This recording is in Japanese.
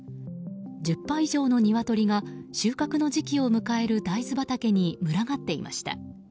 １０羽以上のニワトリが収穫の時期を迎える大豆畑に群がっていました。